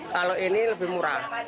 kalau ini lebih murah